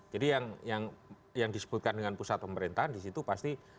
jadi yang disebutkan dengan pusat pemerintahan disitu pasti